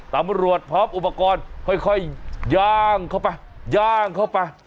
พร้อมอุปกรณ์ค่อยย่างเข้าไปย่างเข้าไป